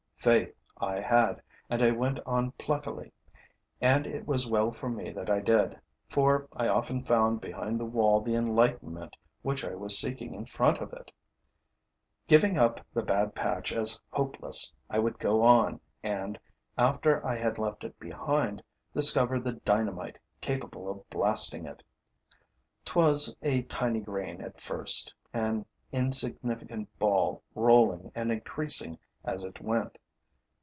Faith I had; and I went on pluckily. And it was well for me that I did, for I often found behind the wall the enlightenment which I was seeking in front of it. Giving up the bad patch as hopeless, I would go on and, after I had left it behind, discover the dynamite capable of blasting it. 'Twas a tiny grain at first, an insignificant ball rolling and increasing as it went.